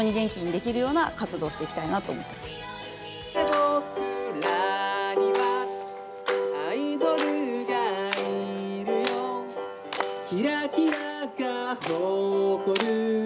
「僕らにはアイドルがいるよ」「キラキラが誇る」